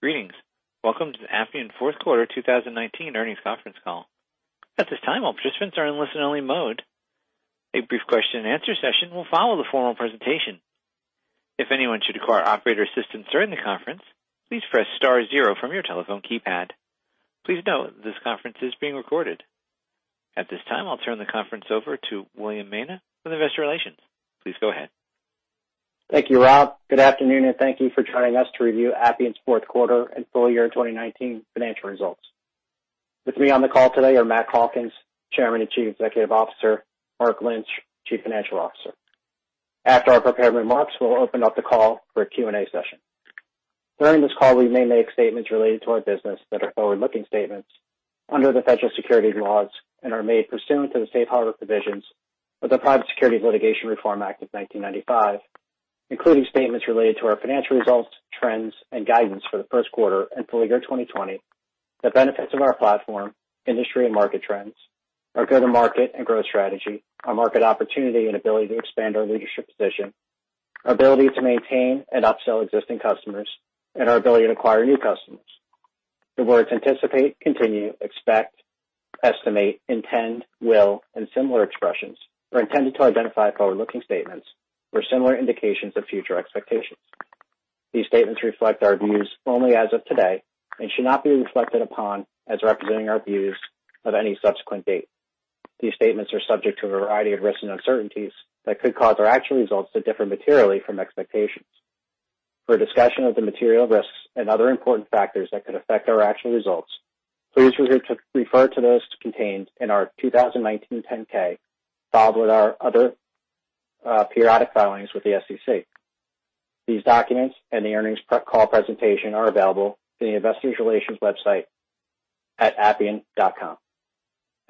Greetings. Welcome to the Appian fourth quarter 2019 earnings conference call. At this time, all participants are in listen-only mode. A brief question and answer session will follow the formal presentation. If anyone should require operator assistance during the conference, please press star zero from your telephone keypad. Please note this conference is being recorded. At this time, I'll turn the conference over to William Maina with Investor Relations. Please go ahead. Thank you, Rob. Good afternoon, and thank you for joining us to review Appian's fourth quarter and full year 2019 financial results. With me on the call today are Matt Calkins, Chairman and Chief Executive Officer, Mark Lynch, Chief Financial Officer. After our prepared remarks, we'll open up the call for a Q&A session. During this call, we may make statements related to our business that are forward-looking statements under the federal securities laws and are made pursuant to the safe harbor provisions of the Private Securities Litigation Reform Act of 1995, including statements related to our financial results, trends, and guidance for the first quarter and full year 2020, the benefits of our platform, industry and market trends, our go-to-market and growth strategy, our market opportunity and ability to expand our leadership position, our ability to maintain and upsell existing customers, and our ability to acquire new customers. The words anticipate, continue, expect, estimate, intend, will, and similar expressions are intended to identify forward-looking statements or similar indications of future expectations. These statements reflect our views only as of today and should not be reflected upon as representing our views of any subsequent date. These statements are subject to a variety of risks and uncertainties that could cause our actual results to differ materially from expectations. For a discussion of the material risks and other important factors that could affect our actual results, please refer to those contained in our 2019 10-K filed with our other periodic filings with the SEC. These documents and the earnings call presentation are available in the investors relations website at appian.com.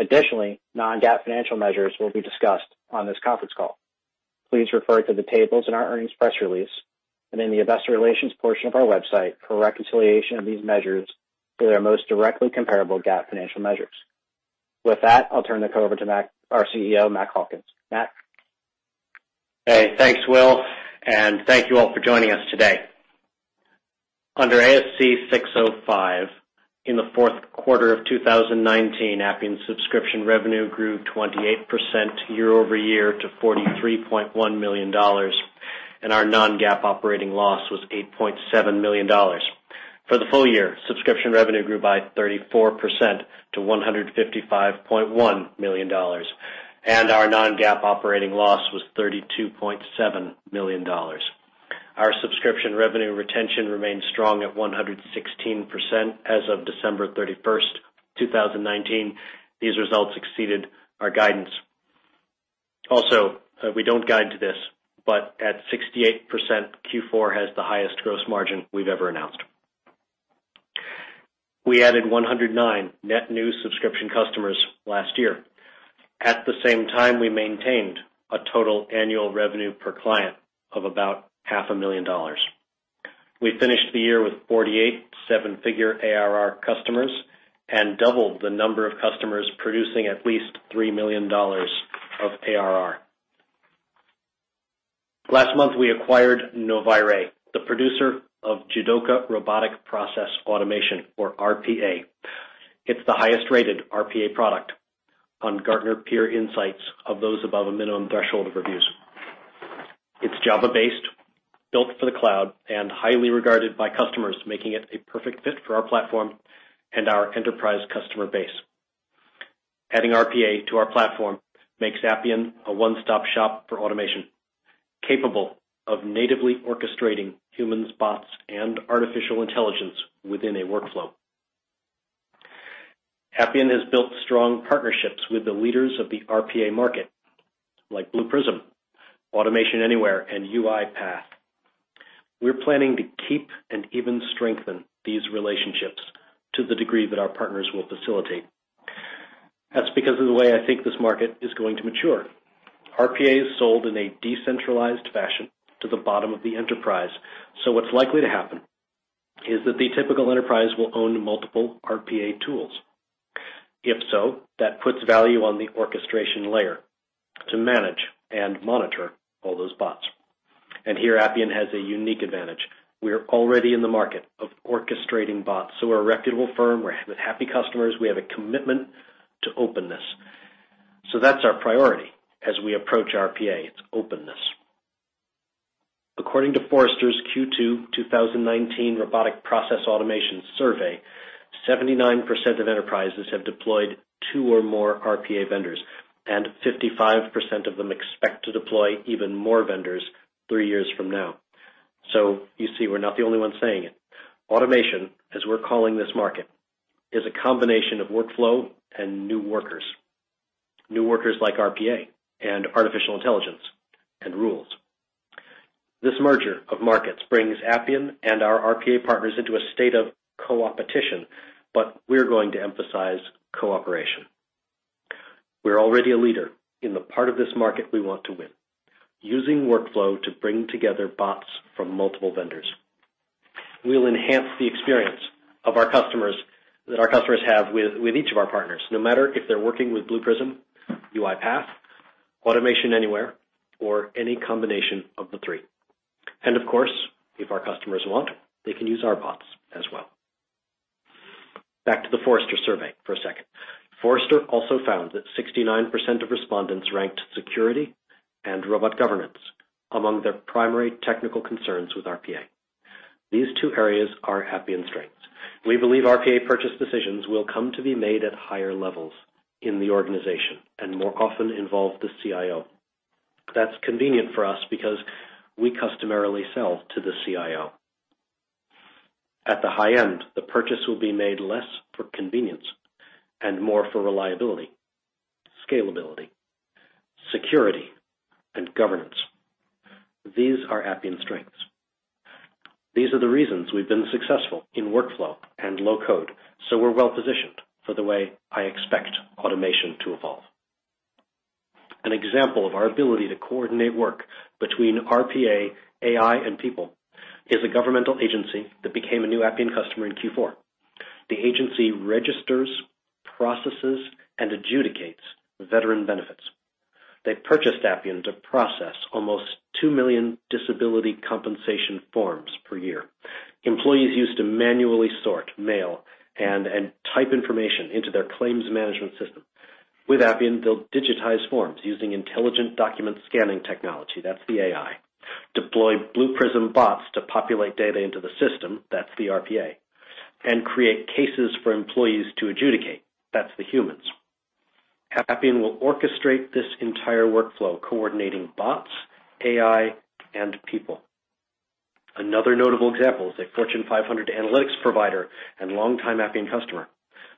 Additionally, non-GAAP financial measures will be discussed on this conference call. Please refer to the tables in our earnings press release and in the investor relations portion of our website for a reconciliation of these measures to their most directly comparable GAAP financial measures. With that, I'll turn the call over to our CEO, Matt Calkins. Matt? Hey, thanks, Will. Thank you all for joining us today. Under ASC 605, in the fourth quarter of 2019, Appian subscription revenue grew 28% year-over-year to $43.1 million, and our non-GAAP operating loss was $8.7 million. For the full year, subscription revenue grew by 34% to $155.1 million, and our non-GAAP operating loss was $32.7 million. Our subscription revenue retention remains strong at 116% as of December 31st, 2019. These results exceeded our guidance. We don't guide to this, but at 68%, Q4 has the highest gross margin we've ever announced. We added 109 net new subscription customers last year. At the same time, we maintained a total annual revenue per client of about half a million dollars. We finished the year with 48 seven-figure ARR customers and doubled the number of customers producing at least $3 million of ARR. Last month, we acquired Novayre Solutions, the producer of Jidoka Robotic Process Automation, or RPA. It's the highest-rated RPA product on Gartner Peer Insights of those above a minimum threshold of reviews. It's Java-based, built for the cloud, and highly regarded by customers, making it a perfect fit for our platform and our enterprise customer base. Adding RPA to our platform makes Appian a one-stop shop for automation, capable of natively orchestrating humans, bots, and artificial intelligence within a workflow. Appian has built strong partnerships with the leaders of the RPA market, like Blue Prism, Automation Anywhere, and UiPath. We're planning to keep and even strengthen these relationships to the degree that our partners will facilitate. That's because of the way I think this market is going to mature. RPA is sold in a decentralized fashion to the bottom of the enterprise. What's likely to happen is that the typical enterprise will own multiple RPA tools. If so, that puts value on the orchestration layer to manage and monitor all those bots. Here, Appian has a unique advantage. We're already in the market of orchestrating bots, so we're a reputable firm. We're with happy customers. We have a commitment to openness. That's our priority as we approach RPA, it's openness. According to Forrester's Q2 2019 Robotic Process Automation Survey, 79% of enterprises have deployed two or more RPA vendors, and 55% of them expect to deploy even more vendors three years from now. You see, we're not the only ones saying it. Automation, as we're calling this market, is a combination of workflow and new workers. New workers like RPA and artificial intelligence and rules. This merger of markets brings Appian and our RPA partners into a state of co-opetition, but we're going to emphasize cooperation. We're already a leader in the part of this market we want to win, using workflow to bring together bots from multiple vendors. We'll enhance the experience that our customers have with each of our partners, no matter if they're working with Blue Prism, UiPath, Automation Anywhere, or any combination of the three. Of course, if our customers want, they can use our bots as well. Back to the Forrester survey for a second. Forrester also found that 69% of respondents ranked security and robot governance among their primary technical concerns with RPA. These two areas are Appian strengths. We believe RPA purchase decisions will come to be made at higher levels in the organization and more often involve the CIO. That's convenient for us because we customarily sell to the CIO. At the high end, the purchase will be made less for convenience and more for reliability, scalability, security, and governance. These are Appian strengths. These are the reasons we've been successful in workflow and low-code. We're well-positioned for the way I expect automation to evolve. An example of our ability to coordinate work between RPA, AI, and people is a governmental agency that became a new Appian customer in Q4. The agency registers, processes, and adjudicates veteran benefits. They purchased Appian to process almost 2 million disability compensation forms per year. Employees used to manually sort mail and type information into their claims management system. With Appian, they'll digitize forms using intelligent document scanning technology, that's the AI, deploy Blue Prism bots to populate data into the system, that's the RPA, and create cases for employees to adjudicate, that's the humans. Appian will orchestrate this entire workflow, coordinating bots, AI, and people. Another notable example is a Fortune 500 analytics provider and longtime Appian customer.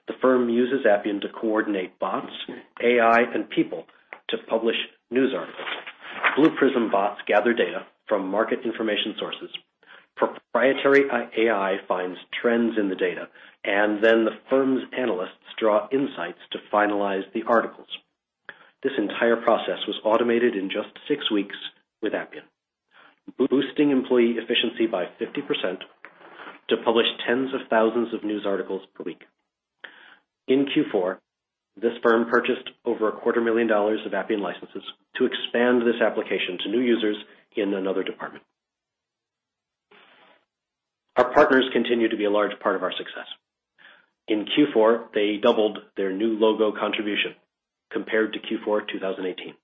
The firm uses Appian to coordinate bots, AI, and people to publish news articles. Blue Prism bots gather data from market information sources. Proprietary AI finds trends in the data, and then the firm's analysts draw insights to finalize the articles. This entire process was automated in just six weeks with Appian, boosting employee efficiency by 50% to publish tens of thousands of news articles per week. In Q4, this firm purchased over a quarter million dollars of Appian licenses to expand this application to new users in another department. Our partners continue to be a large part of our success. In Q4, they doubled their new logo contribution compared to Q4 2018.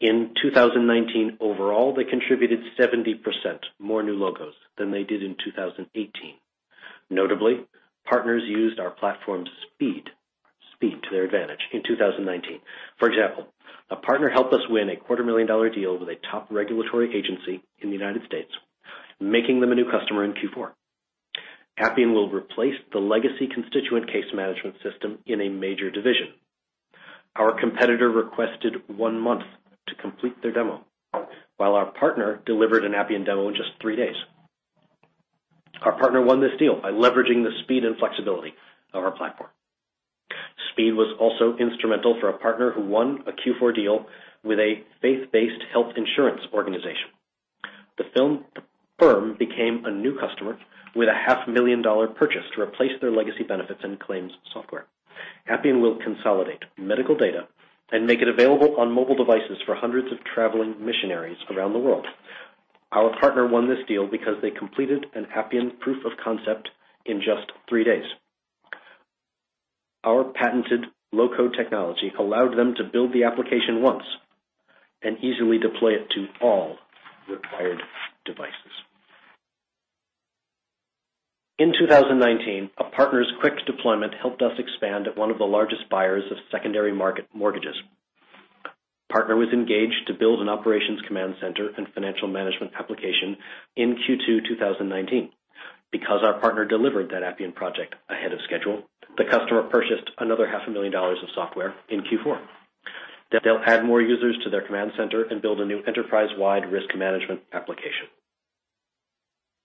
In 2019 overall, they contributed 70% more new logos than they did in 2018. Notably, partners used our platform's speed to their advantage in 2019. For example, a partner helped us win a quarter-million-dollar deal with a top regulatory agency in the U.S., making them a new customer in Q4. Appian will replace the legacy constituent case management system in a major division. Our competitor requested one month to complete their demo, while our partner delivered an Appian demo in just three days. Our partner won this deal by leveraging the speed and flexibility of our platform. Speed was also instrumental for a partner who won a Q4 deal with a faith-based health insurance organization. The firm became a new customer with a half-million-dollar purchase to replace their legacy benefits and claims software. Appian will consolidate medical data and make it available on mobile devices for hundreds of traveling missionaries around the world. Our partner won this deal because they completed an Appian proof of concept in just three days. Our patented low-code technology allowed them to build the application once and easily deploy it to all required devices. In 2019, a partner's quick deployment helped us expand at one of the largest buyers of secondary market mortgages. Partner was engaged to build an operations command center and financial management application in Q2 2019. Because our partner delivered that Appian project ahead of schedule, the customer purchased another half a million dollars of software in Q4. They'll add more users to their command center and build a new enterprise-wide risk management application.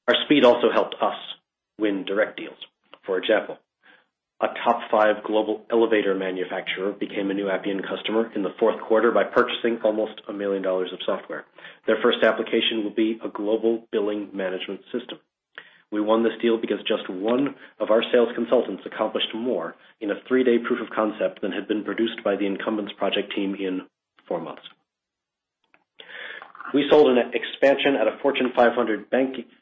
Our speed also helped us win direct deals. For example, a top five global elevator manufacturer became a new Appian customer in the fourth quarter by purchasing almost $1 million of software. Their first application will be a global billing management system. We won this deal because just one of our sales consultants accomplished more in a three-day proof of concept than had been produced by the incumbent's project team in four months. We sold an expansion at a Fortune 500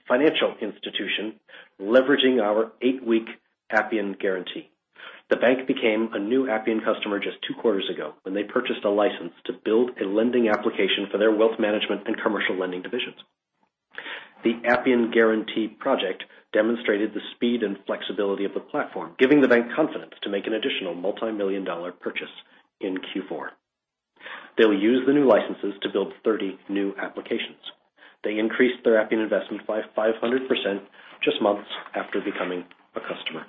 financial institution leveraging our eight-week Appian Guarantee. The bank became a new Appian customer just two quarters ago when they purchased a license to build a lending application for their wealth management and commercial lending divisions. The Appian Guarantee project demonstrated the speed and flexibility of the platform, giving the bank confidence to make an additional multimillion-dollar purchase in Q4. They'll use the new licenses to build 30 new applications. They increased their Appian investment by 500% just months after becoming a customer.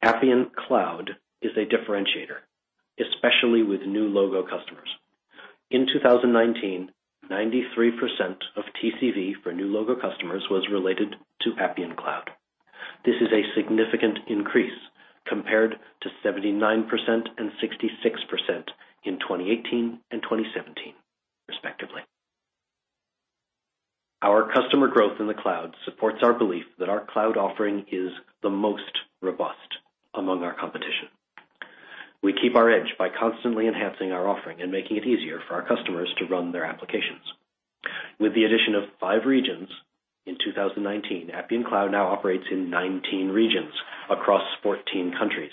Appian Cloud is a differentiator, especially with new logo customers. In 2019, 93% of TCV for new logo customers was related to Appian Cloud. This is a significant increase compared to 79% and 66% in 2018 and 2017. Our customer growth in the cloud supports our belief that our cloud offering is the most robust among our competition. We keep our edge by constantly enhancing our offering and making it easier for our customers to run their applications. With the addition of five regions in 2019, Appian Cloud now operates in 19 regions across 14 countries.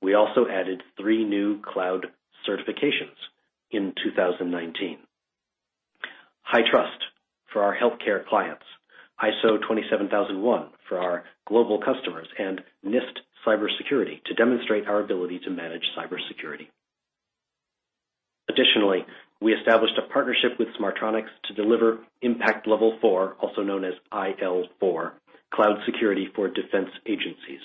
We also added three new cloud certifications in 2019. HITRUST for our healthcare clients, ISO 27001 for our global customers, and NIST Cybersecurity to demonstrate our ability to manage cybersecurity. Additionally, we established a partnership with Smartronix to deliver Impact Level 4, also known as IL4, cloud security for defense agencies.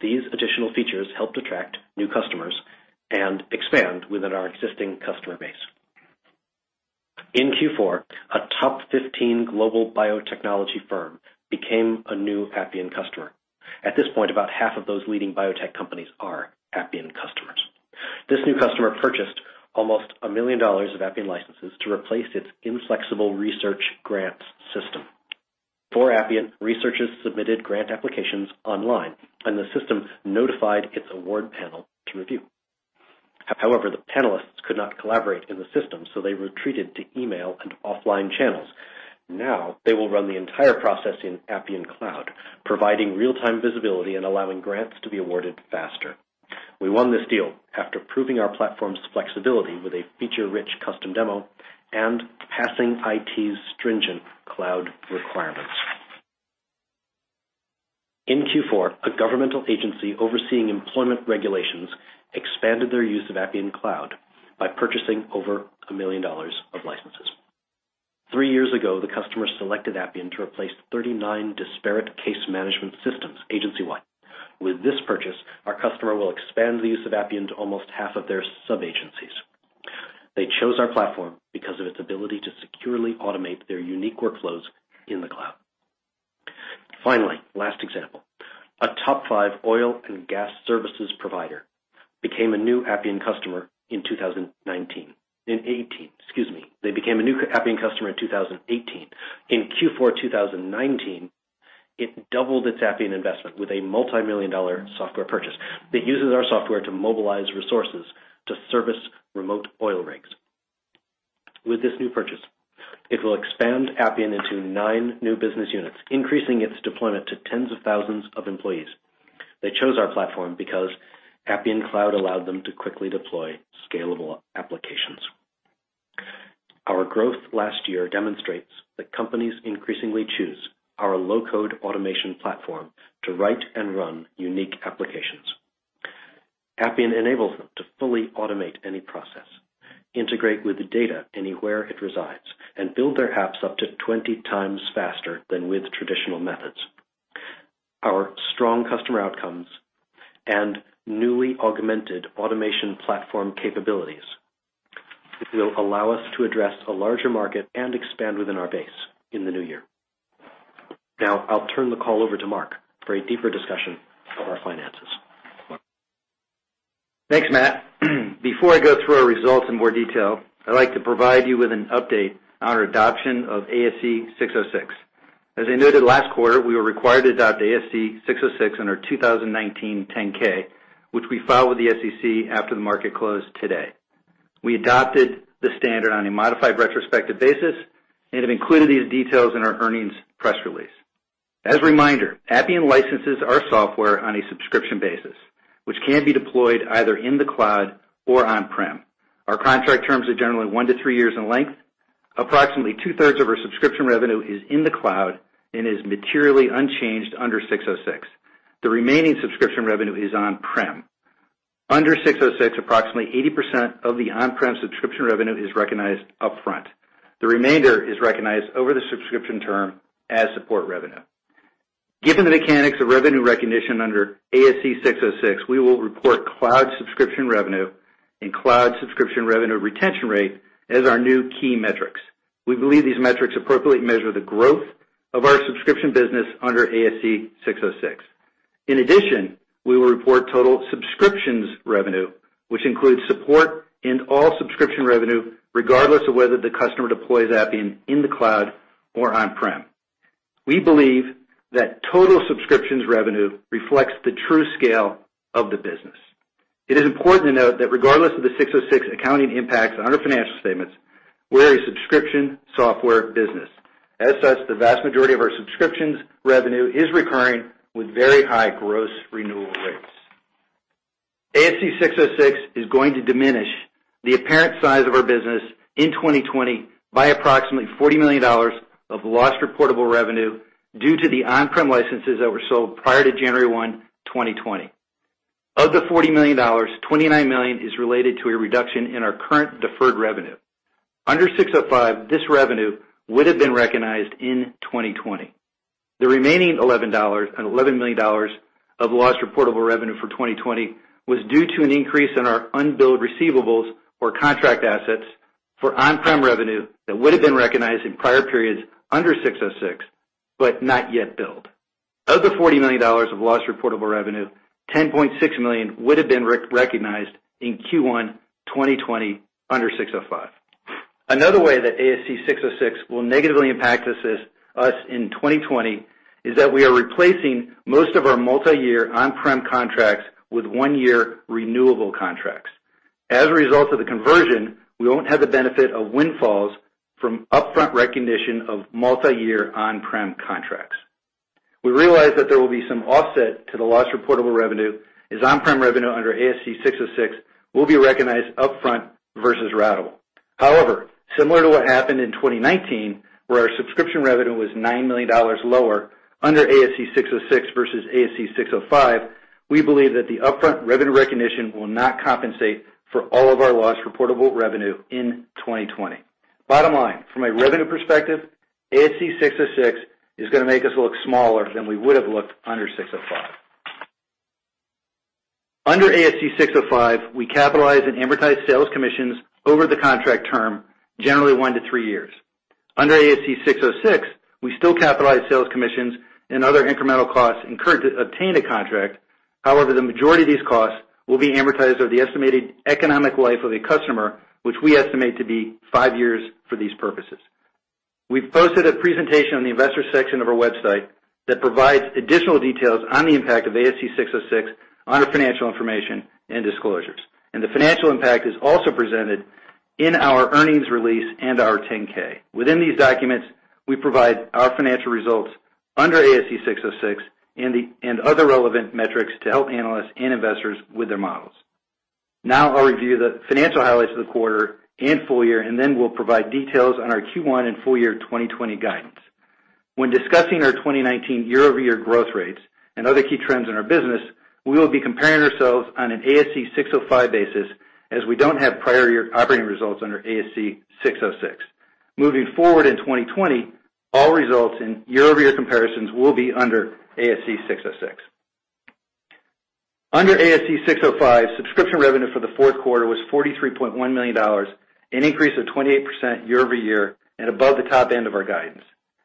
These additional features helped attract new customers and expand within our existing customer base. In Q4, a top 15 global biotechnology firm became a new Appian customer. At this point, about half of those leading biotech companies are Appian customers. This new customer purchased almost $1 million of Appian licenses to replace its inflexible research grants system. Before Appian, researchers submitted grant applications online, and the system notified its award panel to review. However, the panelists could not collaborate in the system, so they retreated to email and offline channels. Now, they will run the entire process in Appian Cloud, providing real-time visibility and allowing grants to be awarded faster. We won this deal after proving our platform's flexibility with a feature-rich custom demo and passing IT's stringent cloud requirements. In Q4, a governmental agency overseeing employment regulations expanded their use of Appian Cloud by purchasing over $1 million of licenses. three years ago, the customer selected Appian to replace 39 disparate case management systems agency-wide. With this purchase, our customer will expand the use of Appian to almost half of their sub-agencies. They chose our platform because of its ability to securely automate their unique workflows in the cloud. Finally, last example. A top five oil and gas services provider became a new Appian customer in 2019. In 2018, excuse me. They became a new Appian customer in 2018. In Q4 2019, it doubled its Appian investment with a multimillion-dollar software purchase, that uses our software to mobilize resources to service remote oil rigs. With this new purchase, it will expand Appian into nine new business units, increasing its deployment to tens of thousands of employees. They chose our platform because Appian Cloud allowed them to quickly deploy scalable applications. Our growth last year demonstrates that companies increasingly choose our low-code automation platform to write and run unique applications. Appian enables them to fully automate any process, integrate with the data anywhere it resides, and build their apps up to 20x faster than with traditional methods. Our strong customer outcomes and newly augmented automation platform capabilities will allow us to address a larger market and expand within our base in the new year. Now, I'll turn the call over to Mark for a deeper discussion of our finances. Thanks, Matt. Before I go through our results in more detail, I'd like to provide you with an update on our adoption of ASC 606. As I noted last quarter, we were required to adopt ASC 606 on our 2019 10-K, which we filed with the SEC after the market closed today. We adopted the standard on a modified retrospective basis and have included these details in our earnings press release. As a reminder, Appian licenses our software on a subscription basis, which can be deployed either in the cloud or on-prem. Our contract terms are generally one-three years in length. Approximately two-thirds of our subscription revenue is in the cloud and is materially unchanged under 606. The remaining subscription revenue is on-prem. Under 606, approximately 80% of the on-prem subscription revenue is recognized upfront. The remainder is recognized over the subscription term as support revenue. Given the mechanics of revenue recognition under ASC 606, we will report cloud subscription revenue and cloud subscription revenue retention rate as our new key metrics. We believe these metrics appropriately measure the growth of our subscription business under ASC 606. In addition, we will report total subscriptions revenue, which includes support and all subscription revenue, regardless of whether the customer deploys Appian in the cloud or on-prem. We believe that total subscriptions revenue reflects the true scale of the business. It is important to note that regardless of the 606 accounting impacts on our financial statements, we're a subscription software business. As such, the vast majority of our subscriptions revenue is recurring with very high gross renewal rates. ASC 606 is going to diminish the apparent size of our business in 2020 by approximately $40 million of lost reportable revenue due to the on-prem licenses that were sold prior to January 1, 2020. Of the $40 million, $29 million is related to a reduction in our current deferred revenue. Under 605, this revenue would have been recognized in 2020. The remaining $11 million of lost reportable revenue for 2020 was due to an increase in our unbilled receivables or contract assets for on-prem revenue that would have been recognized in prior periods under 606, but not yet billed. Of the $40 million of lost reportable revenue, $10.6 million would have been recognized in Q1 2020 under 605. Another way that ASC 606 will negatively impact us in 2020 is that we are replacing most of our multi-year on-prem contracts with one-year renewable contracts. As a result of the conversion, we won't have the benefit of windfalls from upfront recognition of multi-year on-prem contracts. We realize that there will be some offset to the lost reportable revenue, as on-prem revenue under ASC 606 will be recognized upfront versus ratable. Similar to what happened in 2019, where our subscription revenue was $9 million lower under ASC 606 versus ASC 605, we believe that the upfront revenue recognition will not compensate for all of our lost reportable revenue in 2020. Bottom line, from a revenue perspective, ASC 606 is going to make us look smaller than we would've looked under 605. Under ASC 605, we capitalize and amortize sales commissions over the contract term, generally one to three years. Under ASC 606, we still capitalize sales commissions and other incremental costs incurred to obtain a contract. However, the majority of these costs will be amortized over the estimated economic life of a customer, which we estimate to be five years for these purposes. We've posted a presentation on the investor section of our website that provides additional details on the impact of ASC 606 on our financial information and disclosures. The financial impact is also presented in our earnings release and our 10-K. Within these documents, we provide our financial results under ASC 606 and other relevant metrics to help analysts and investors with their models. I'll review the financial highlights of the quarter and full year, and then we'll provide details on our Q1 and full year 2020 guidance. When discussing our 2019 year-over-year growth rates and other key trends in our business, we will be comparing ourselves on an ASC 605 basis, as we don't have prior year operating results under ASC 606. Moving forward in 2020, all results and year-over-year comparisons will be under ASC 606. Under ASC 605, subscription revenue for the fourth quarter was $43.1 million, an increase of 28% year-over-year and above the top end of our guidance.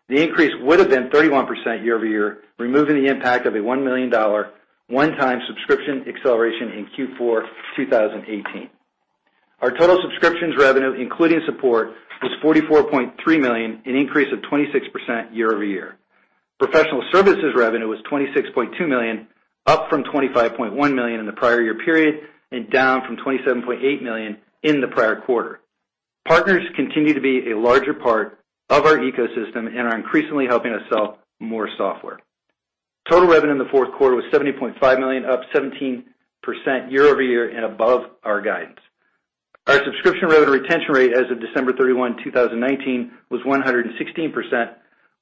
The increase would've been 31% year-over-year, removing the impact of a $1 million one-time subscription acceleration in Q4 2018. Our total subscriptions revenue, including support, was $44.3 million, an increase of 26% year-over-year. Professional services revenue was $26.2 million, up from $25.1 million in the prior year period and down from $27.8 million in the prior quarter. Partners continue to be a larger part of our ecosystem and are increasingly helping us sell more software. Total revenue in the fourth quarter was $70.5 million, up 17% year-over-year and above our guidance. Our subscription revenue retention rate as of December 31, 2019 was 116%,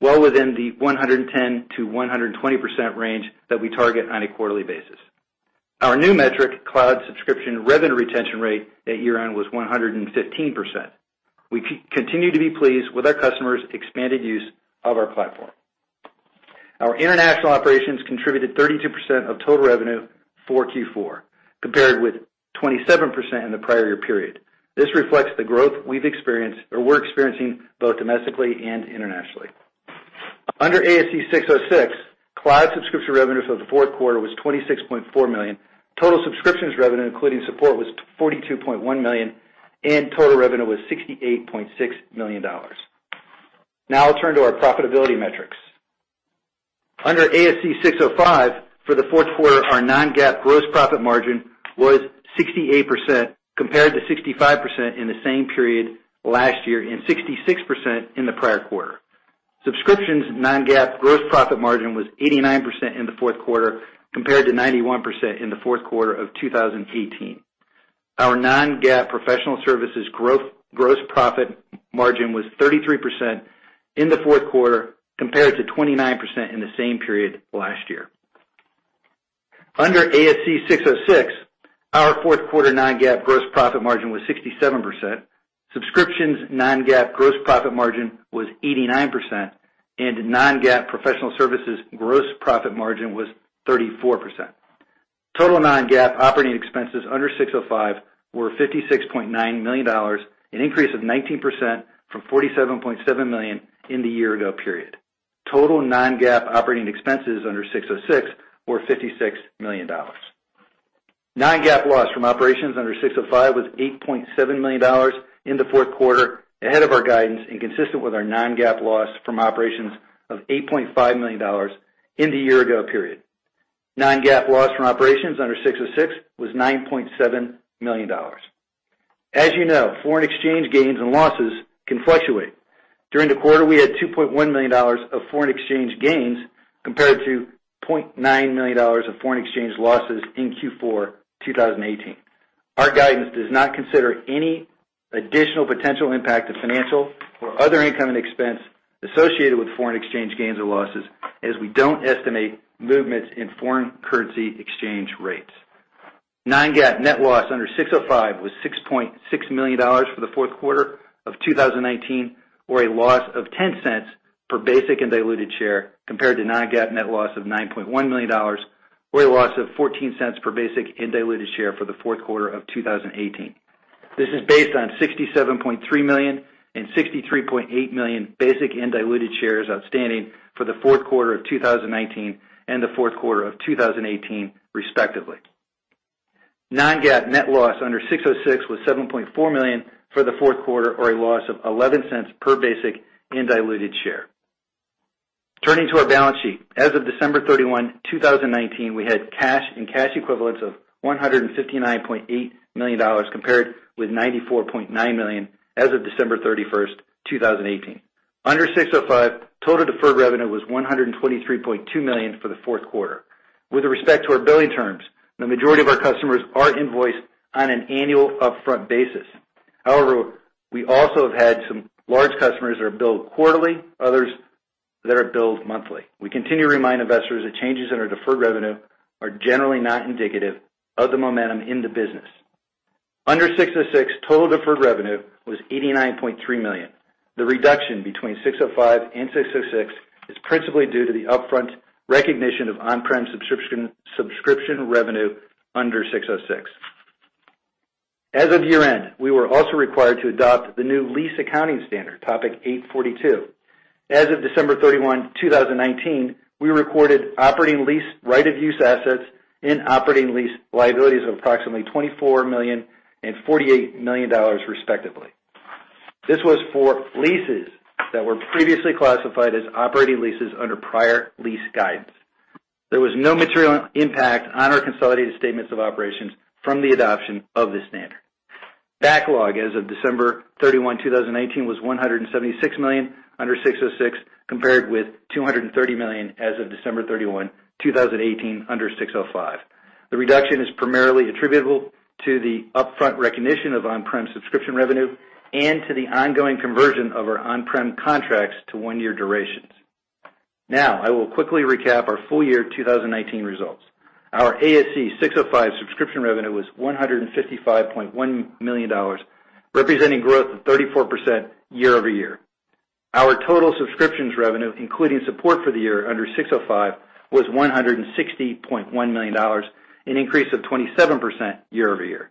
well within the 110%-120% range that we target on a quarterly basis. Our new metric, cloud subscription revenue retention rate at year-end was 115%. We continue to be pleased with our customers' expanded use of our platform. Our international operations contributed 32% of total revenue for Q4, compared with 27% in the prior year period. This reflects the growth we're experiencing both domestically and internationally. Under ASC 606, cloud subscription revenue for the fourth quarter was $26.4 million, total subscriptions revenue, including support, was $42.1 million, and total revenue was $68.6 million. I'll turn to our profitability metrics. Under ASC 605, for the fourth quarter, our non-GAAP gross profit margin was 68%, compared to 65% in the same period last year and 66% in the prior quarter. Subscriptions non-GAAP gross profit margin was 89% in the fourth quarter, compared to 91% in the fourth quarter of 2018. Our non-GAAP professional services gross profit margin was 33% in the fourth quarter, compared to 29% in the same period last year. Under ASC 606, our fourth quarter non-GAAP gross profit margin was 67%, subscriptions non-GAAP gross profit margin was 89%, and non-GAAP professional services gross profit margin was 34%. Total non-GAAP operating expenses under 605 were $56.9 million, an increase of 19% from $47.7 million in the year ago period. Total non-GAAP operating expenses under 606 were $56 million. Non-GAAP loss from operations under ASC 605 was $8.7 million in the fourth quarter, ahead of our guidance and consistent with our non-GAAP loss from operations of $8.5 million in the year ago period. Non-GAAP loss from operations under ASC 606 was $9.7 million. As you know, foreign exchange gains and losses can fluctuate. During the quarter, we had $2.1 million of foreign exchange gains, compared to $0.9 million of foreign exchange losses in Q4 2018. Our guidance does not consider any additional potential impact of financial or other income and expense associated with foreign exchange gains or losses, as we don't estimate movements in foreign currency exchange rates. Non-GAAP net loss under ASC 605 was $6.6 million for the fourth quarter of 2019, or a loss of $0.10 per basic and diluted share, compared to non-GAAP net loss of $9.1 million, or a loss of $0.14 per basic and diluted share for the fourth quarter of 2018. This is based on 67.3 million and 63.8 million basic and diluted shares outstanding for the fourth quarter of 2019 and the fourth quarter of 2018, respectively. Non-GAAP net loss under ASC 606 was $7.4 million for the fourth quarter, or a loss of $0.11 per basic and diluted share. Turning to our balance sheet. As of December 31, 2019, we had cash and cash equivalents of $159.8 million, compared with $94.9 million as of December 31, 2018. Under ASC 605, total deferred revenue was $123.2 million for the fourth quarter. With respect to our billing terms, the majority of our customers are invoiced on an annual upfront basis. However, we also have had some large customers that are billed quarterly, others that are billed monthly. We continue to remind investors that changes in our deferred revenue are generally not indicative of the momentum in the business. Under ASC 606, total deferred revenue was $89.3 million. The reduction between ASC 605 and ASC 606 is principally due to the upfront recognition of on-prem subscription revenue under ASC 606. As of year-end, we were also required to adopt the new lease accounting standard, Topic 842. As of December 31, 2019, we recorded operating lease right-of-use assets and operating lease liabilities of approximately $24 million and $48 million respectively. This was for leases that were previously classified as operating leases under prior lease guidance. There was no material impact on our consolidated statements of operations from the adoption of this standard. Backlog as of December 31, 2019, was $176 million under ASC 606, compared with $230 million as of December 31, 2018 under ASC 605. The reduction is primarily attributable to the upfront recognition of on-prem subscription revenue and to the ongoing conversion of our on-prem contracts to one-year durations. I will quickly recap our full year 2019 results. Our ASC 605 subscription revenue was $155.1 million, representing growth of 34% year-over-year. Our total subscriptions revenue, including support for the year under ASC 605, was $160.1 million, an increase of 27% year-over-year.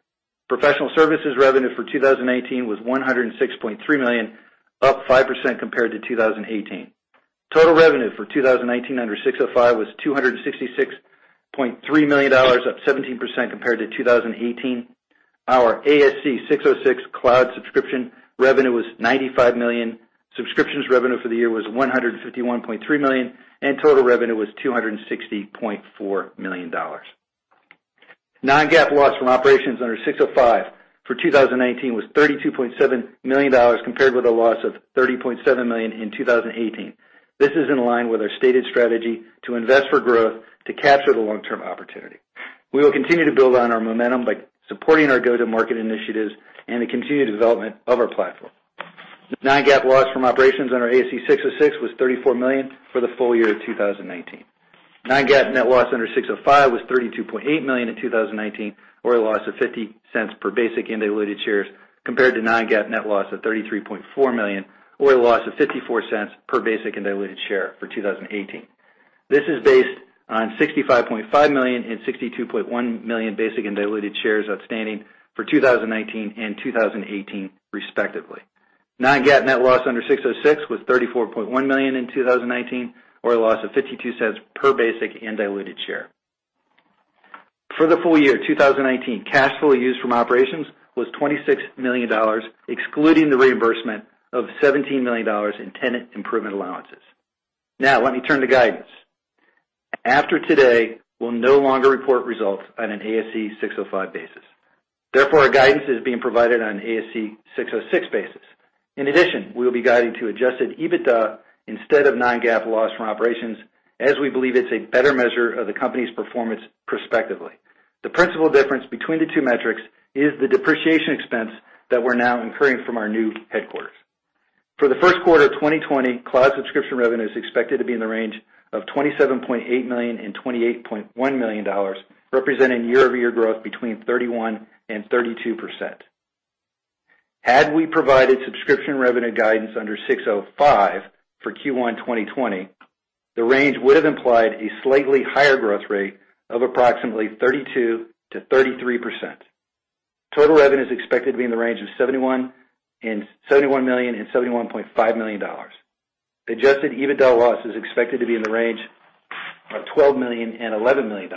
Professional services revenue for 2019 was $106.3 million, up 5% compared to 2018. Total revenue for 2019 under ASC 605 was $266.3 million, up 17% compared to 2018. Our ASC 606 cloud subscription revenue was $95 million, subscriptions revenue for the year was $151.3 million, and total revenue was $260.4 million. Non-GAAP loss from operations under ASC 605 for 2019 was $32.7 million, compared with a loss of $30.7 million in 2018. This is in line with our stated strategy to invest for growth to capture the long-term opportunity. We will continue to build on our momentum by supporting our go-to-market initiatives and the continued development of our platform. Non-GAAP loss from operations under ASC 606 was $34 million for the full year of 2019. Non-GAAP net loss under ASC 605 was $32.8 million in 2019, or a loss of $0.50 per basic and diluted shares, compared to non-GAAP net loss of $33.4 million, or a loss of $0.54 per basic and diluted share for 2018. This is based on 65.5 million and 62.1 million basic and diluted shares outstanding for 2019 and 2018, respectively. Non-GAAP net loss under ASC 606 was $34.1 million in 2019, or a loss of $0.52 per basic and diluted share. For the full year 2019, cash flow used from operations was $26 million, excluding the reimbursement of $17 million in tenant improvement allowances. Let me turn to guidance. After today, we'll no longer report results on an ASC 605 basis. Our guidance is being provided on an ASC 606 basis. We will be guiding to adjusted EBITDA instead of non-GAAP loss from operations, as we believe it's a better measure of the company's performance prospectively. The principal difference between the two metrics is the depreciation expense that we're now incurring from our new headquarters. For the first quarter of 2020, cloud subscription revenue is expected to be in the range of $27.8 million and $28.1 million, representing year-over-year growth between 31% and 32%. Had we provided subscription revenue guidance under ASC 605 for Q1 2020, the range would have implied a slightly higher growth rate of approximately 32%-33%. Total revenue is expected to be in the range of $71 million and $71.5 million. Adjusted EBITDA loss is expected to be in the range of $12 million and $11 million.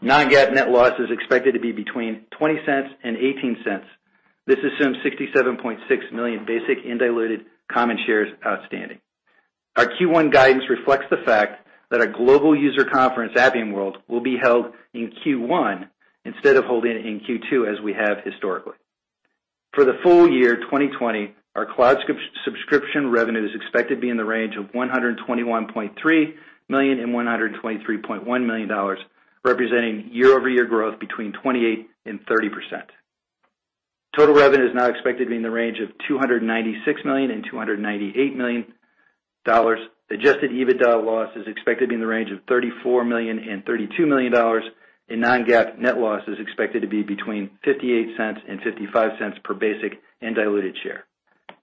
Non-GAAP net loss is expected to be between $0.20 and $0.18. This assumes 67.6 million basic and diluted common shares outstanding. Our Q1 guidance reflects the fact that our global user conference, Appian World, will be held in Q1 instead of holding it in Q2 as we have historically. For the full year 2020, our cloud subscription revenue is expected to be in the range of $121.3 million and $123.1 million, representing year-over-year growth between 28% and 30%. Total revenue is now expected to be in the range of $296 million and $298 million. Adjusted EBITDA loss is expected to be in the range of $34 million and $32 million, and non-GAAP net loss is expected to be between $0.58 and $0.55 per basic and diluted share.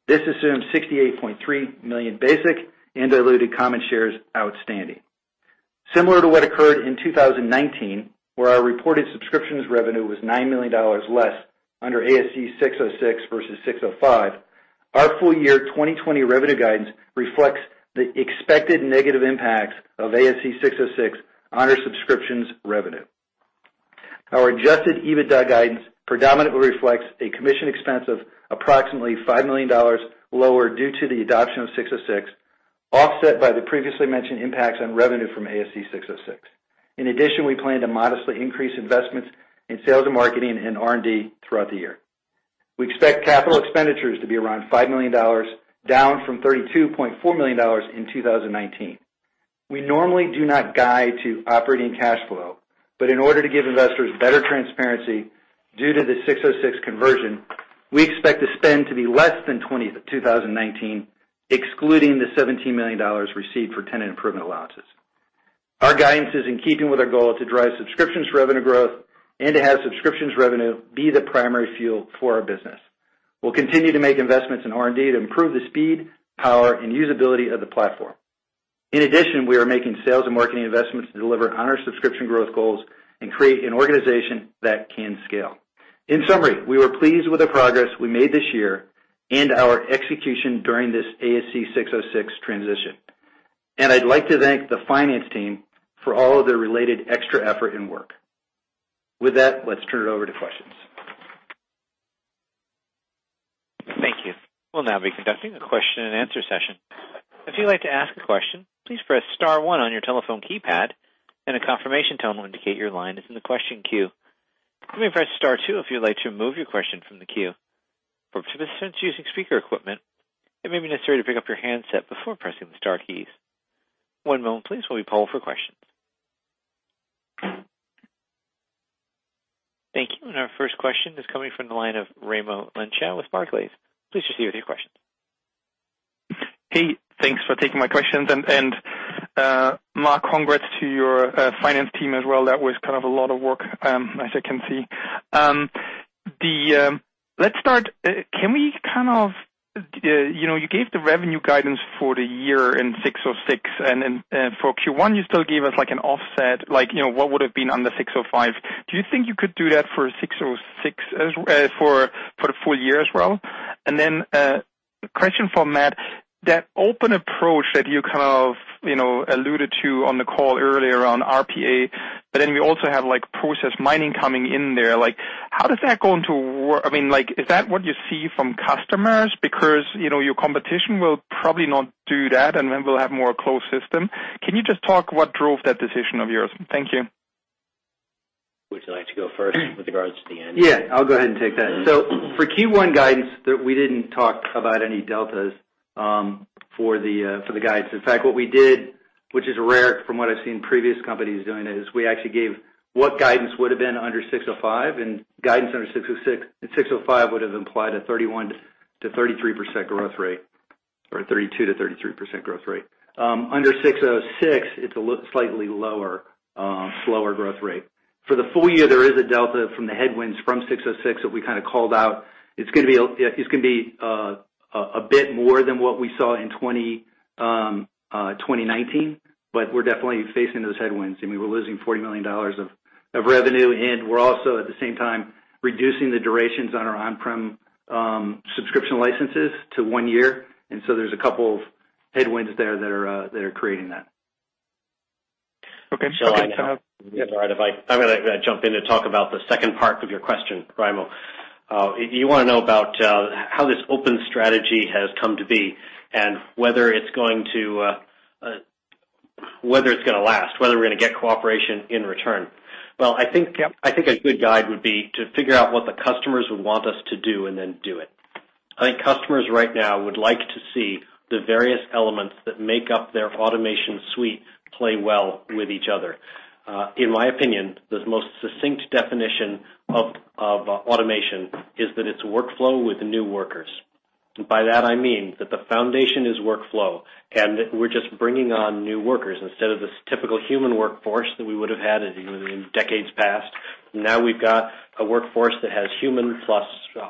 This assumes 68.3 million basic and diluted common shares outstanding. Similar to what occurred in 2019, where our reported subscriptions revenue was $9 million less under ASC 606 versus 605, our full year 2020 revenue guidance reflects the expected negative impacts of ASC 606 on our subscriptions revenue. Our adjusted EBITDA guidance predominantly reflects a commission expense of approximately $5 million lower due to the adoption of ASC 606, offset by the previously mentioned impacts on revenue from ASC 606. In addition, we plan to modestly increase investments in sales and marketing and R&D throughout the year. We expect capital expenditures to be around $5 million, down from $32.4 million in 2019. We normally do not guide to operating cash flow, but in order to give investors better transparency due to the ASC 606 conversion, we expect the spend to be less than 2019, excluding the $17 million received for tenant improvement allowances. Our guidance is in keeping with our goal to drive subscriptions revenue growth and to have subscriptions revenue be the primary fuel for our business. We'll continue to make investments in R&D to improve the speed, power, and usability of the platform. In addition, we are making sales and marketing investments to deliver on our subscription growth goals and create an organization that can scale. In summary, we were pleased with the progress we made this year and our execution during this ASC 606 transition. I'd like to thank the finance team for all of their related extra effort and work. With that, let's turn it over to questions. Thank you. We'll now be conducting a question and answer session. If you'd like to ask a question, please press star one on your telephone keypad, and a confirmation tone will indicate your line is in the question queue. You may press star two if you'd like to remove your question from the queue. For participants using speaker equipment, it may be necessary to pick up your handset before pressing the star keys. One moment please, while we poll for questions. Thank you. Our first question is coming from the line of Raimo Lenschow with Barclays. Please proceed with your questions. Mark, congrats to your finance team as well. That was kind of a lot of work, as I can see. Let's start. You gave the revenue guidance for the year in 606, and for Q1, you still gave us, like, an offset, like what would've been under 605. Do you think you could do that for 606 for the full year as well? A question for Matt, that open approach that you kind of alluded to on the call earlier on RPA, but then we also have process mining coming in there. Like, how does that go into work? Is that what you see from customers? Your competition will probably not do that, and then we'll have more closed system. Can you just talk what drove that decision of yours? Thank you. Would you like to go first with regards to the end? Yeah, I'll go ahead and take that. For Q1 guidance, we didn't talk about any deltas for the guidance. In fact, what we did, which is rare from what I've seen previous companies doing, is we actually gave what guidance would've been under ASC 605, and guidance under ASC 605 would've implied a 31%-33% growth rate, or a 32%-33% growth rate. Under ASC 606, it's a slightly lower, slower growth rate. For the full year, there is a delta from the headwinds from ASC 606 that we kind of called out. It's going to be a bit more than what we saw in 2019, but we're definitely facing those headwinds, and we were losing $40 million of revenue, and we're also, at the same time, reducing the durations on our on-prem subscription licenses to one year. There's a couple of headwinds there that are creating that. Okay. Yes. All right. I'm going to jump in to talk about the second part of your question, Raimo. You want to know about how this open strategy has come to be and whether it's going to last, whether we're going to get cooperation in return. Well, I think. Yep I think a good guide would be to figure out what the customers would want us to do and then do it. I think customers right now would like to see the various elements that make up their automation suite play well with each other. In my opinion, the most succinct definition of automation is that it's workflow with new workers. By that I mean that the foundation is workflow, and we're just bringing on new workers. Instead of this typical human workforce that we would've had in decades past, now we've got a workforce that has human, plus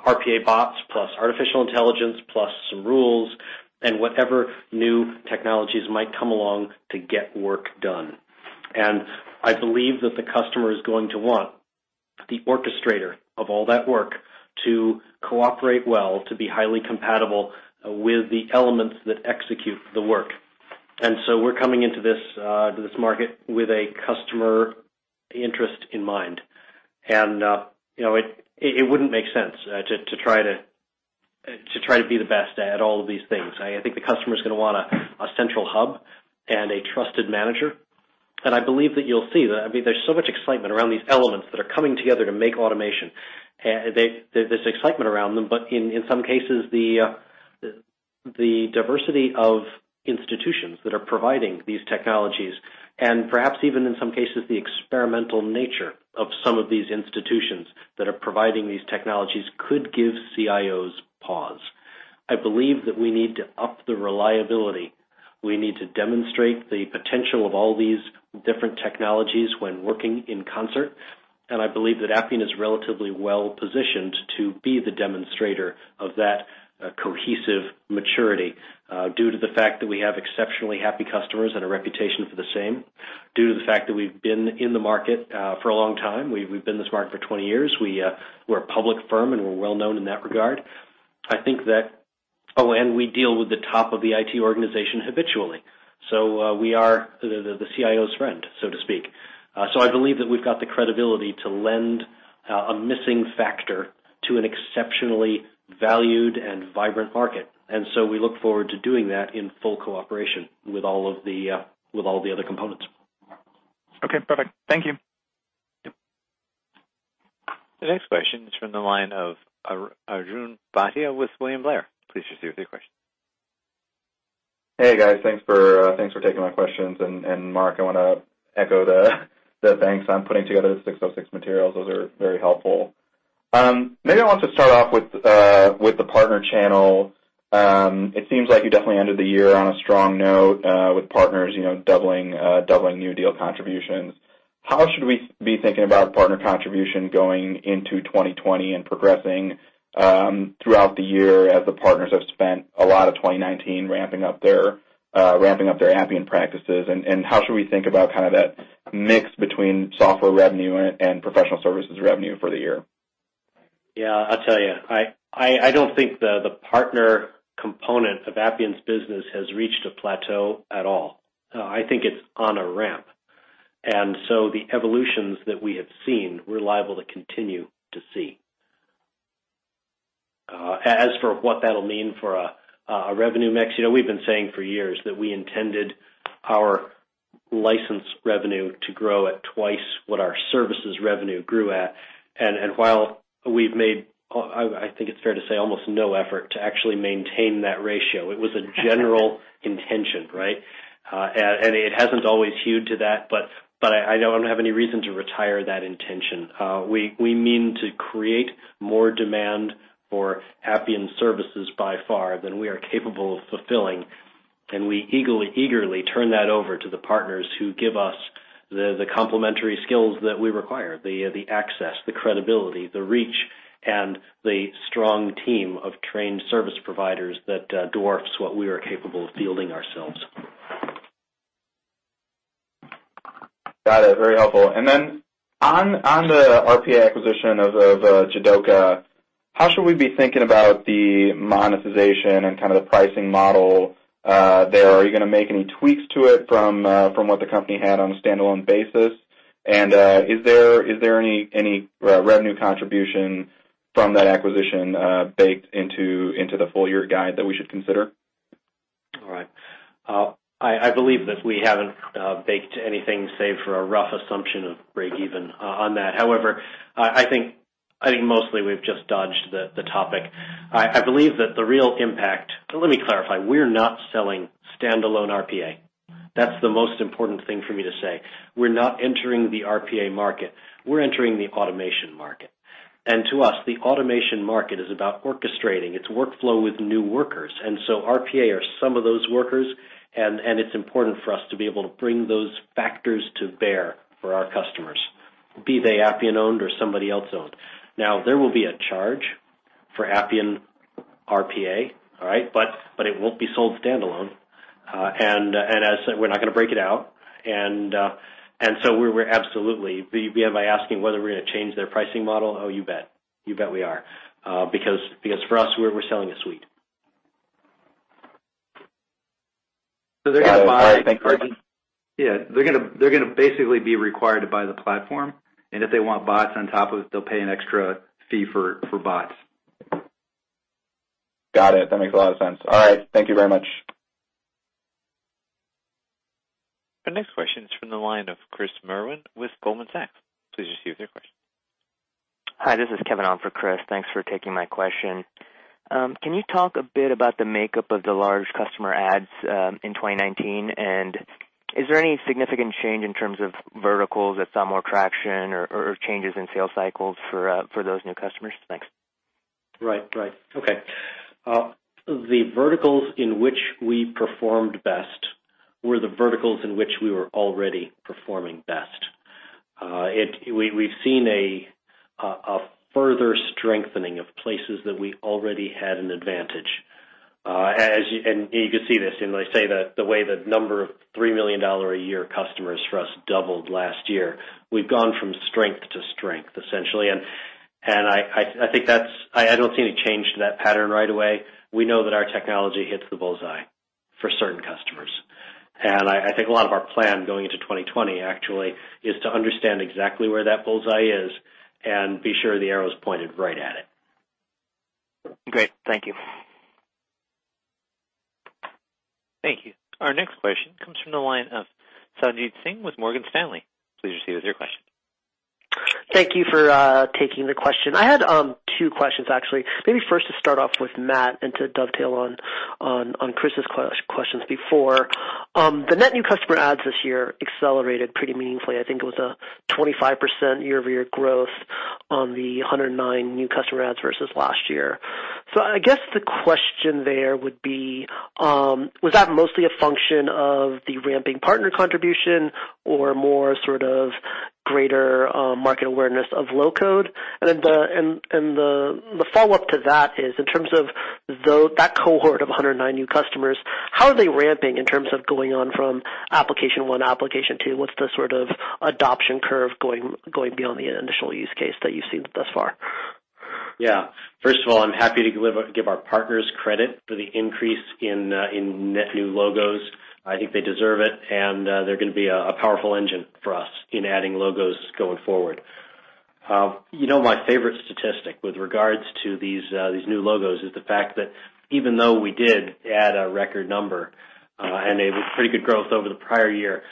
RPA bots, plus artificial intelligence, plus some rules and whatever new technologies might come along to get work done. I believe that the customer is going to want the orchestrator of all that work to cooperate well, to be highly compatible with the elements that execute the work. We're coming into this market with a customer interest in mind. It wouldn't make sense to try to be the best at all of these things. I think the customer's going to want a central hub and a trusted manager. I believe that you'll see that. I mean, there's so much excitement around these elements that are coming together to make automation. There's excitement around them, but in some cases, the diversity of institutions that are providing these technologies, and perhaps even in some cases, the experimental nature of some of these institutions that are providing these technologies could give CIOs pause. I believe that we need to up the reliability. We need to demonstrate the potential of all these different technologies when working in concert. I believe that Appian is relatively well-positioned to be the demonstrator of that cohesive maturity due to the fact that we have exceptionally happy customers and a reputation for the same, due to the fact that we've been in the market for a long time. We've been in this market for 20 years. We're a public firm, and we're well-known in that regard. We deal with the top of the IT organization habitually, so we are the CIO's friend, so to speak. I believe that we've got the credibility to lend a missing factor to an exceptionally valued and vibrant market. We look forward to doing that in full cooperation with all of the other components. Okay, perfect. Thank you. Yep. The next question is from the line of Arjun Bhatia with William Blair. Please proceed with your question. Hey, guys. Thanks for taking my questions. Mark, I want to echo the thanks on putting together the 606 materials. Those are very helpful. Maybe I want to start off with the partner channel. It seems like you definitely ended the year on a strong note with partners doubling new deal contributions. How should we be thinking about partner contribution going into 2020 and progressing throughout the year as the partners have spent a lot of 2019 ramping up their Appian practices? How should we think about that mix between software revenue and professional services revenue for the year? I'll tell you, I don't think the partner component of Appian's business has reached a plateau at all. I think it's on a ramp. The evolutions that we have seen, we're liable to continue to see. As for what that'll mean for a revenue mix, we've been saying for years that we intended our license revenue to grow at twice what our services revenue grew at. While we've made, I think it's fair to say, almost no effort to actually maintain that ratio, it was a general intention, right? It hasn't always hewed to that, but I don't have any reason to retire that intention. We mean to create more demand for Appian services by far than we are capable of fulfilling. We eagerly turn that over to the partners who give us the complementary skills that we require, the access, the credibility, the reach, and the strong team of trained service providers that dwarfs what we are capable of fielding ourselves. Got it. Very helpful. On the RPA acquisition of Jidoka, how should we be thinking about the monetization and kind of the pricing model there? Are you going to make any tweaks to it from what the company had on a standalone basis? Is there any revenue contribution from that acquisition baked into the full-year guide that we should consider? All right. I believe that we haven't baked anything save for a rough assumption of breakeven on that. I think mostly we've just dodged the topic. Let me clarify, we're not selling standalone RPA. That's the most important thing for me to say. We're not entering the RPA market. We're entering the automation market. To us, the automation market is about orchestrating its workflow with new workers. RPA are some of those workers, and it's important for us to be able to bring those factors to bear for our customers, be they Appian-owned or somebody else-owned. There will be a charge for Appian RPA. All right? It won't be sold standalone. As I said, we're not going to break it out. By asking whether we're going to change their pricing model, oh, you bet. You bet we are. For us, we're selling a suite. They're going to. Yeah. They're going to basically be required to buy the platform. If they want bots on top of it, they'll pay an extra fee for bots. Got it. That makes a lot of sense. All right. Thank you very much. Our next question is from the line of Chris Merwin with Goldman Sachs. Please proceed with your question. Hi, this is Kevin on for Chris. Thanks for taking my question. Can you talk a bit about the makeup of the large customer adds in 2019? Is there any significant change in terms of verticals that saw more traction or changes in sales cycles for those new customers? Thanks. Right. Okay. The verticals in which we performed best were the verticals in which we were already performing best. We've seen a further strengthening of places that we already had an advantage. You could see this, and I say that the way the number of $3 million a year customers for us doubled last year. We've gone from strength to strength, essentially. I don't see any change to that pattern right away. We know that our technology hits the bullseye for certain customers. I think a lot of our plan going into 2020 actually is to understand exactly where that bullseye is and be sure the arrow is pointed right at it. Great. Thank you. Thank you. Our next question comes from the line of Sanjit Singh with Morgan Stanley. Please proceed with your question. Thank you for taking the question. I had two questions, actually. Maybe first to start off with Matt and to dovetail on Chris's questions before. The net new customer adds this year accelerated pretty meaningfully. I think it was a 25% year-over-year growth on the 109 new customer adds versus last year. I guess the question there would be, was that mostly a function of the ramping partner contribution or more sort of greater market awareness of low-code? The follow-up to that is, in terms of that cohort of 109 new customers, how are they ramping in terms of going on from application one, application two? What's the sort of adoption curve going beyond the initial use case that you've seen thus far? First of all, I'm happy to give our partners credit for the increase in net new logos. I think they deserve it, and they're going to be a powerful engine for us in adding logos going forward. My favorite statistic with regards to these new logos is the fact that even though we did add a record number, and it was pretty good growth over the prior year,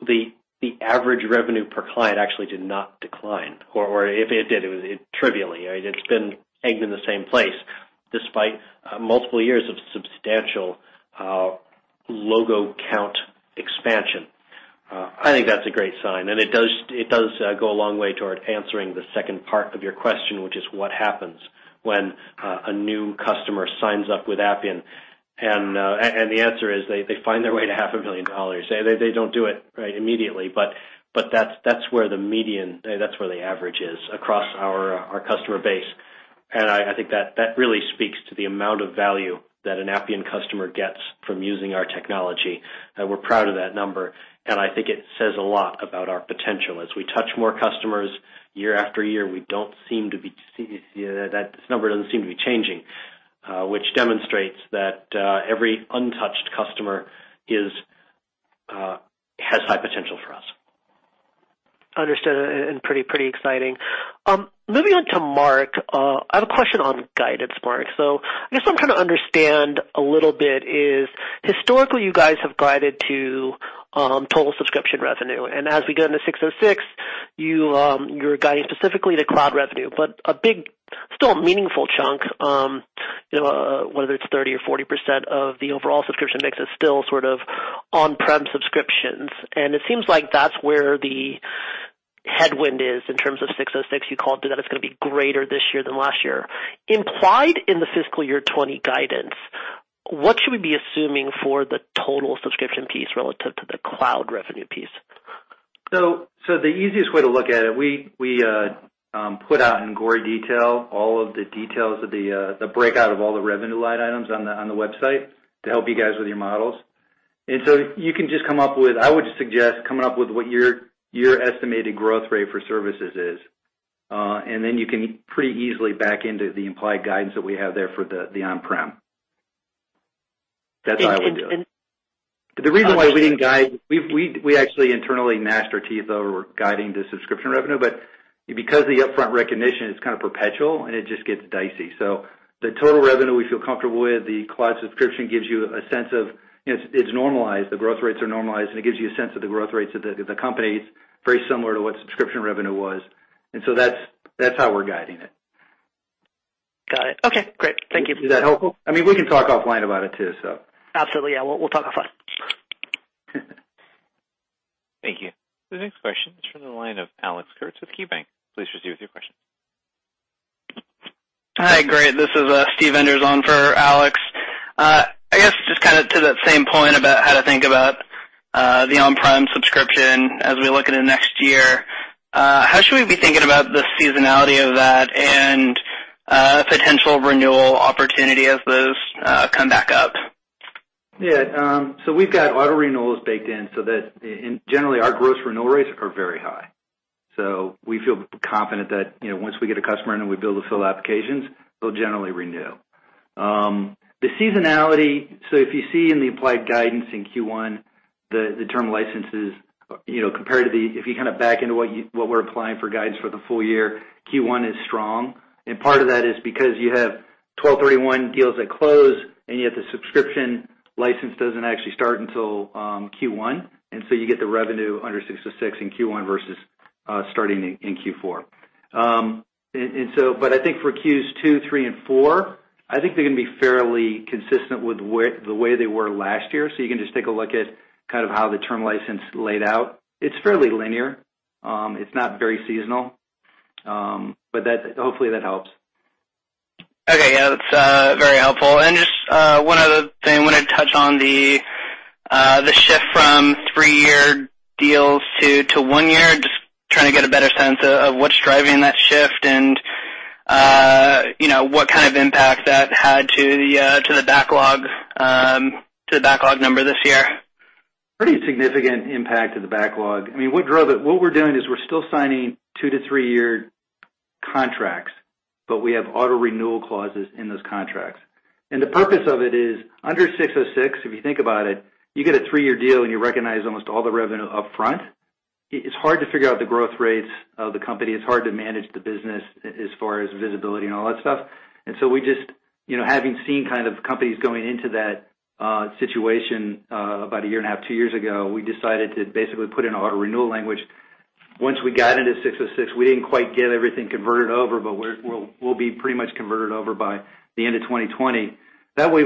the average revenue per client actually did not decline, or if it did, it was trivially. It's been pegged in the same place despite multiple years of substantial logo count expansion. I think that's a great sign, and it does go a long way toward answering the second part of your question, which is what happens when a new customer signs up with Appian. The answer is, they find their way to half a million dollars. They don't do it immediately, but that's where the median, that's where the average is across our customer base. I think that really speaks to the amount of value that an Appian customer gets from using our technology. We're proud of that number, and I think it says a lot about our potential. As we touch more customers year after year, this number doesn't seem to be changing, which demonstrates that every untouched customer has high potential for us. Understood, pretty exciting. Moving on to Mark. I have a question on guidance, Mark. I guess what I'm trying to understand a little bit is, historically, you guys have guided to total subscription revenue. As we get into 606, you're guiding specifically to cloud revenue, but a big, still a meaningful chunk, whether it's 30% or 40% of the overall subscription mix is still sort of on-prem subscriptions. It seems like that's where the headwind is in terms of 606. You called it that it's going to be greater this year than last year. Implied in the fiscal year 2020 guidance, what should we be assuming for the total subscription piece relative to the cloud revenue piece? The easiest way to look at it, we put out in gory detail all of the details of the breakout of all the revenue line items on the website to help you guys with your models. You can just come up with, I would suggest coming up with what your estimated growth rate for services is. You can pretty easily back into the implied guidance that we have there for the on-prem. That's how I would do it. And- The reason why we didn't guide, we actually internally gnashed our teeth over guiding the subscription revenue. Because the upfront recognition is kind of perpetual, and it just gets dicey. The total revenue we feel comfortable with, the cloud subscription gives you a sense of, it's normalized. The growth rates are normalized, and it gives you a sense of the growth rates of the companies very similar to what subscription revenue was. That's how we're guiding it. Got it. Okay, great. Thank you. Is that helpful? We can talk offline about it too. Absolutely. Yeah, we'll talk offline. Thank you. The next question is from the line of Alex Kurtz with KeyBanc. Please proceed with your question. Hi. Great. This is Steven Enders on for Alex. I guess just to that same point about how to think about the on-prem subscription as we look at it next year. How should we be thinking about the seasonality of that and potential renewal opportunity as those come back up? Yeah. We've got auto renewals baked in so that, and generally, our gross renewal rates are very high. We feel confident that once we get a customer in and we build the full applications, they'll generally renew. The seasonality, so if you see in the implied guidance in Q1, the term licenses, compared to the, if you back into what we're applying for guidance for the full year, Q1 is strong. Part of that is because you have 12/31 deals that close, and yet the subscription license doesn't actually start until Q1. You get the revenue under 606 in Q1 versus starting in Q4. I think for Qs two, three, and four, I think they're going to be fairly consistent with the way they were last year. You can just take a look at how the term license laid out. It's fairly linear. It's not very seasonal. Hopefully that helps. Okay. Yeah. That's very helpful. Just one other thing I wanted to touch on the shift from three-year deals to one year. Just trying to get a better sense of what's driving that shift and what kind of impact that had to the backlog number this year. Pretty significant impact to the backlog. What we're doing is we're still signing two to three-year contracts, but we have auto-renewal clauses in those contracts. The purpose of it is, under ASC 606, if you think about it, you get a three-year deal, and you recognize almost all the revenue upfront. It's hard to figure out the growth rates of the company. It's hard to manage the business as far as visibility and all that stuff. We just, having seen companies going into that situation about a year and a half, two years ago, we decided to basically put in an auto-renewal language. Once we got into ASC 606, we didn't quite get everything converted over, but we'll be pretty much converted over by the end of 2020. That way,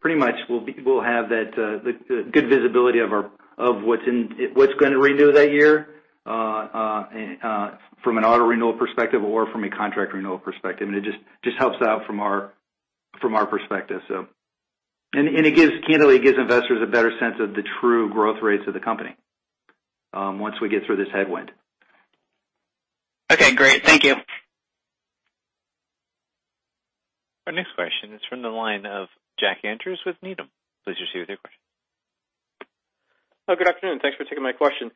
pretty much, we'll have that good visibility of what's going to renew that year from an auto-renewal perspective or from a contract renewal perspective. It just helps out from our perspective. Candidly, it gives investors a better sense of the true growth rates of the company once we get through this headwind. Okay, great. Thank you. Our next question is from the line of Jack Andrews with Needham. Please proceed with your question. Good afternoon. Thanks for taking my question.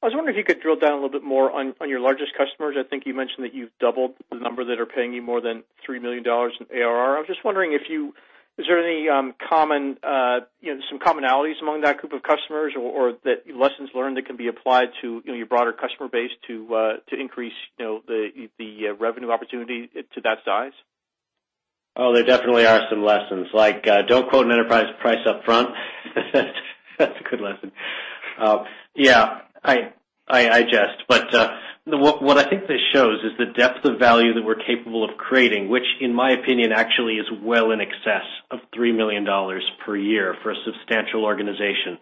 I was wondering if you could drill down a little bit more on your largest customers. I think you mentioned that you've doubled the number that are paying you more than $3 million in ARR. I was just wondering if is there some commonalities among that group of customers, or lessons learned that can be applied to your broader customer base to increase the revenue opportunity to that size? Oh, there definitely are some lessons. Like, don't quote an enterprise price up front. That's a good lesson. Yeah, I jest, but what I think this shows is the depth of value that we're capable of creating, which in my opinion, actually is well in excess of $3 million per year for a substantial organization.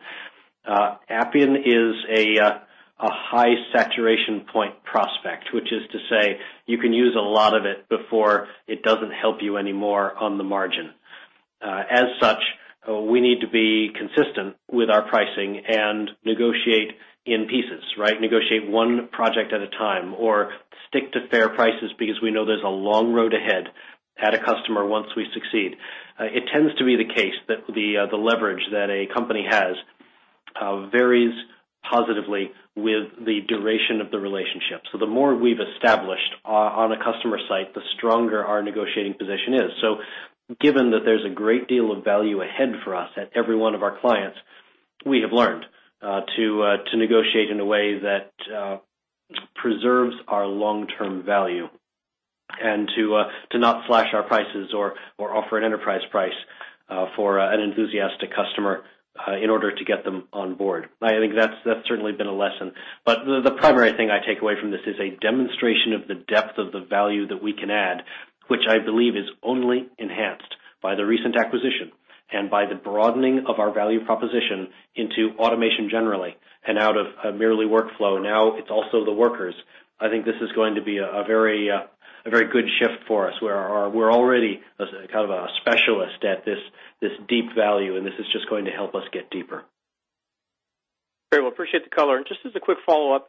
Appian is a high saturation point prospect, which is to say, you can use a lot of it before it doesn't help you anymore on the margin. As such, we need to be consistent with our pricing and negotiate in pieces, right? Negotiate one project at a time or stick to fair prices because we know there's a long road ahead at a customer once we succeed. It tends to be the case that the leverage that a company has varies positively with the duration of the relationship. The more we've established on a customer site, the stronger our negotiating position is. Given that there's a great deal of value ahead for us at every one of our clients, we have learned to negotiate in a way that preserves our long-term value and to not flash our prices or offer an enterprise price for an enthusiastic customer in order to get them on board. I think that's certainly been a lesson. The primary thing I take away from this is a demonstration of the depth of the value that we can add, which I believe is only enhanced by the recent acquisition and by the broadening of our value proposition into automation generally and out of merely workflow. It's also the workers. I think this is going to be a very good shift for us, where we're already kind of a specialist at this deep value, and this is just going to help us get deeper. Great. Well, appreciate the color. Just as a quick follow-up,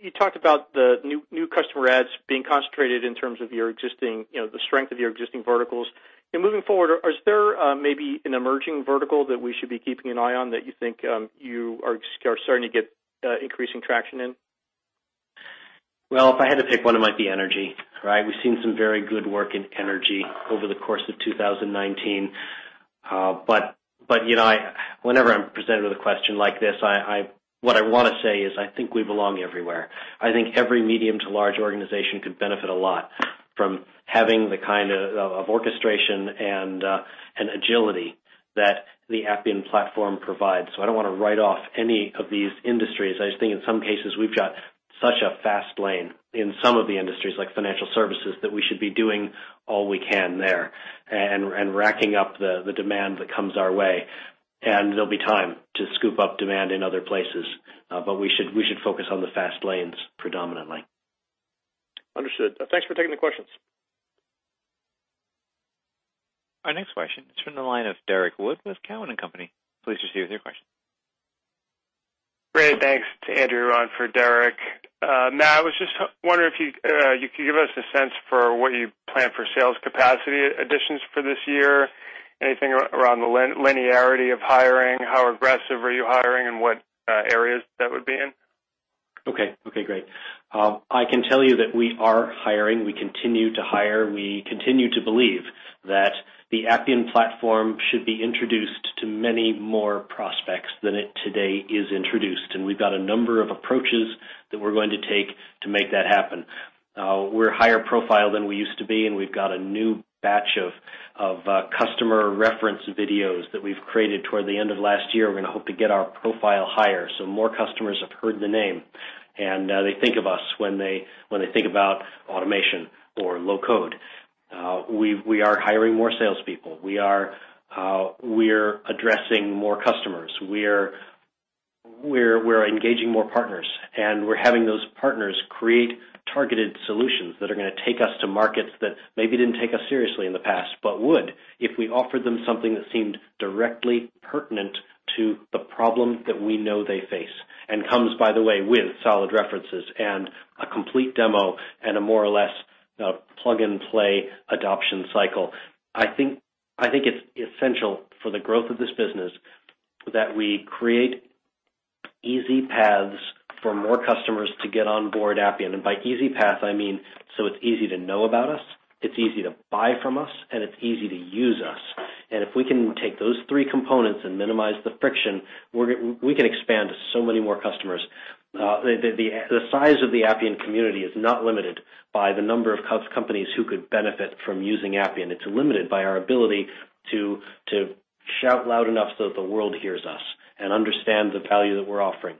you talked about the new customer adds being concentrated in terms of the strength of your existing verticals. Moving forward, is there maybe an emerging vertical that we should be keeping an eye on that you think you are starting to get increasing traction in? Well, if I had to pick one, it might be energy, right? We've seen some very good work in energy over the course of 2019. Whenever I'm presented with a question like this, what I want to say is, I think we belong everywhere. I think every medium to large organization could benefit a lot from having the kind of orchestration and agility that the Appian platform provides. I don't want to write off any of these industries. I just think in some cases, we've got such a fast lane in some of the industries, like financial services, that we should be doing all we can there and racking up the demand that comes our way. There'll be time to scoop up demand in other places. We should focus on the fast lanes predominantly. Understood. Thanks for taking the questions. Our next question is from the line of Derrick Wood with Cowen and Company. Please proceed with your question. Great. Thanks to Andrew, I'm for Derrick. Matt, I was just wondering if you could give us a sense for what you plan for sales capacity additions for this year. Anything around the linearity of hiring, how aggressive are you hiring, and what areas that would be in? Okay, great. I can tell you that we are hiring. We continue to hire. We continue to believe that the Appian platform should be introduced to many more prospects than it today is introduced. We've got a number of approaches that we're going to take to make that happen. We're higher profile than we used to be, and we've got a new batch of customer reference videos that we've created toward the end of last year. We're going to hope to get our profile higher so more customers have heard the name and they think of us when they think about automation or low-code. We are hiring more salespeople. We're addressing more customers. We're engaging more partners, we're having those partners create targeted solutions that are going to take us to markets that maybe didn't take us seriously in the past, but would if we offered them something that seemed directly pertinent to the problem that we know they face and comes, by the way, with solid references and a complete demo and a more or less plug-and-play adoption cycle. I think it's essential for the growth of this business that we create easy paths for more customers to get on board Appian. By easy paths, I mean so it's easy to know about us, it's easy to buy from us, and it's easy to use us. If we can take those three components and minimize the friction, we can expand to so many more customers. The size of the Appian community is not limited by the number of companies who could benefit from using Appian. It's limited by our ability to shout loud enough so that the world hears us and understand the value that we're offering.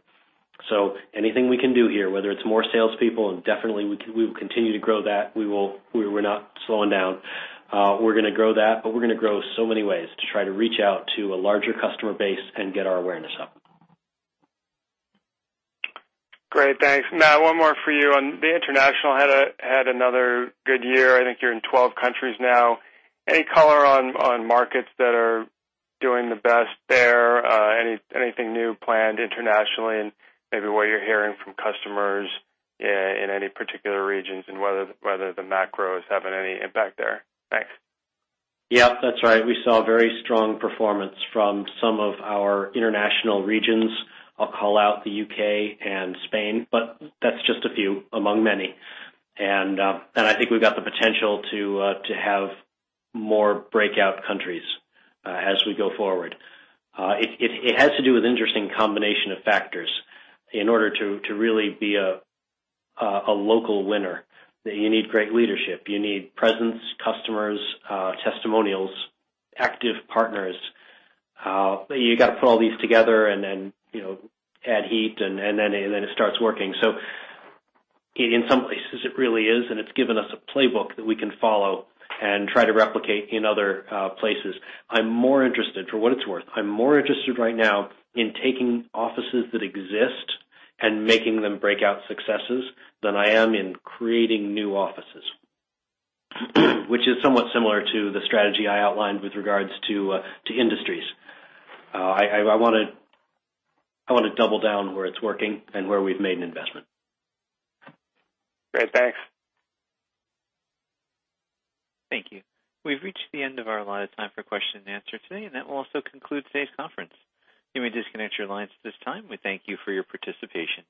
Anything we can do here, whether it's more salespeople, and definitely we will continue to grow that. We're not slowing down. We're going to grow that, but we're going to grow so many ways to try to reach out to a larger customer base and get our awareness up. Great, thanks. Matt, one more for you. On the international had another good year. I think you're in 12 countries now. Any color on markets that are doing the best there? Anything new planned internationally, and maybe what you're hearing from customers in any particular regions, and whether the macro is having any impact there? Thanks. Yeah, that's right. We saw very strong performance from some of our international regions. I'll call out the U.K. and Spain, but that's just a few among many. I think we've got the potential to have more breakout countries as we go forward. It has to do with interesting combination of factors in order to really be a local winner. You need great leadership. You need presence, customers, testimonials, active partners. You got to put all these together and then add heat, and then it starts working. In some places, it really is, and it's given us a playbook that we can follow and try to replicate in other places. For what it's worth, I'm more interested right now in taking offices that exist and making them breakout successes than I am in creating new offices, which is somewhat similar to the strategy I outlined with regards to industries. I want to double down where it's working and where we've made an investment. Great. Thanks. Thank you. We've reached the end of our allotted time for question and answer today, and that will also conclude today's conference. You may disconnect your lines at this time. We thank you for your participation.